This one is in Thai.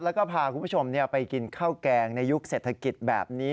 แล้วก็พาคุณผู้ชมไปกินข้าวแกงในยุคเศรษฐกิจแบบนี้